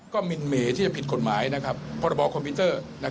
ก็มีเหม่ที่จะผิดกฎหมายพรบประสอบคอมพิวเตอร์